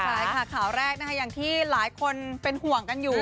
ตัวเนี้ยครับข่าวแรกนะคะอย่างที่หลายคนเป็นห่วงกันอยู่